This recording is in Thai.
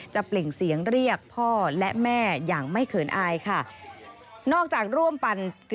เปล่งเสียงเรียกพ่อและแม่อย่างไม่เขินอายค่ะ